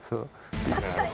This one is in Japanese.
勝ちたい！